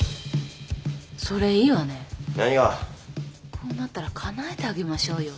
こうなったらかなえてあげましょうよ。